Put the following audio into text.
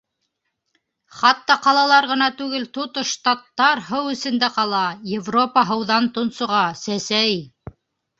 Хатта ҡалалар ғына түгел, тотош штаттар һыу эсендә ҡала, Европа һыуҙан тонсоға, сәсәй...